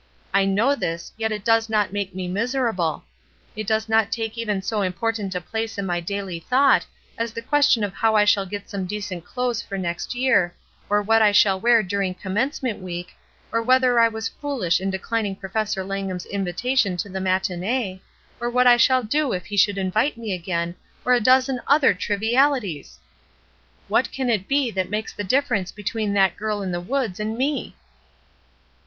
I know this, yet it does not make me miserable. 224 ESTER RIED'S NAMESAKE It does not take even so important a place in my daily thought as the question how I shall get some decent clothes for next year, or what I shall wear during Commencement week, or whether I was fooUsh in declining Professor Langham's invitation to the matinee, or what I shall do if he should invite me again, or a dozen other trivialities! What can it be that makes the difference between that girl in the woods and me?"